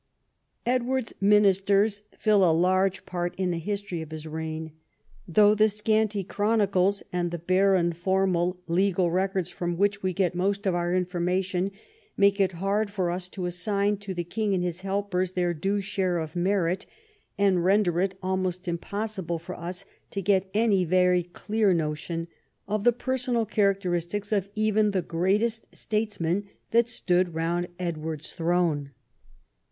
Edward's ministers fill a large part in the history of his reign ; though the scanty chronicles and the bare and formal legal records, from which we get most of our information, make it hard for us to assign to the king and his helpers their due share of merit, and render it almost impossible for us to get any very clear notion of the personal characteristics of even the greatest states men that stood round Edward's throne.